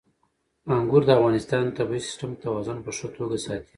انګور د افغانستان د طبعي سیسټم توازن په ښه توګه ساتي.